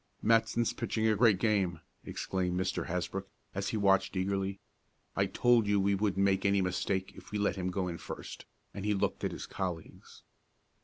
"Matson's pitching a great game!" exclaimed Mr. Hasbrook, as he watched eagerly. "I told you we wouldn't make any mistake if we let him go in first," and he looked at his colleagues.